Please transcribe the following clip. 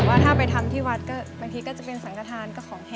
ว่าถ้าไปทำที่วัดก็บางทีก็จะเป็นสังกฐานก็ขอให้